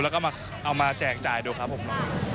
แล้วก็เอามาแจกจ่ายดูครับผม